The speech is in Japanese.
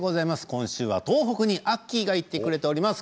今週は東北にアッキーが行っています。